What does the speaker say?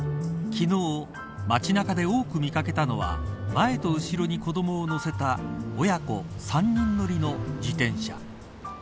昨日、街中で多く見掛けたのは前と後ろに子どもを乗せた親子３人乗りの自転車。